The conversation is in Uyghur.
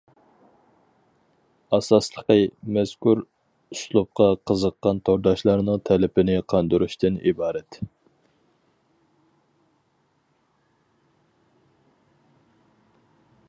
ئاساسلىقى، مەزكۇر ئۇسلۇبقا قىزىققان تورداشلارنىڭ تەلىپىنى قاندۇرۇشتىن ئىبارەت.